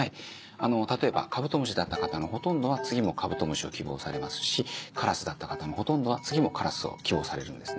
例えばカブトムシだった方のほとんどは次もカブトムシを希望されますしカラスだった方のほとんどは次もカラスを希望されるんですね。